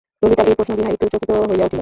ললিতার এই প্রশ্নে বিনয় একটু চকিত হইয়া উঠিল।